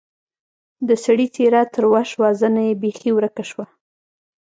د سړي څېره تروه شوه زنه بېخي ورکه شوه.